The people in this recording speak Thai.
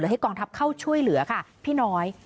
ให้กองทัพเข้าช่วยเหลือค่ะพี่น้อย